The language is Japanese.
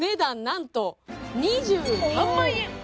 なんと２３万円